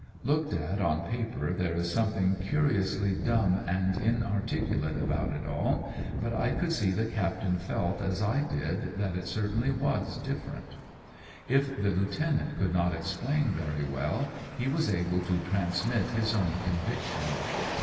Looked at on paper there is something curiously dumb and inarticulate about it all. but I could see the captain felt, as I did, that it certainly was " different." If the lieutenant could not explain very well, he was able to transmit his own convic tion.